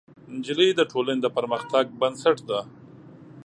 نجلۍ د ټولنې د پرمختګ بنسټ ده.